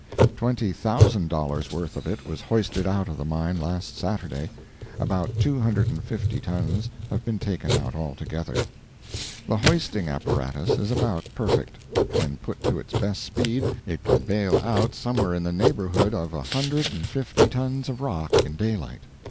Twenty thousand dollars' worth of it was hoisted out of the mine last Saturday; about two hundred and fifty tons have been taken out altogether. The hoisting apparatus is about perfect: when put to its best speed, it can bail out somewhere in the neighborhood of a hundred and fifty tons of rock in daylight.